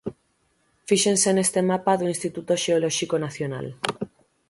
Fíxense neste mapa do Instituto Xeolóxico Nacional.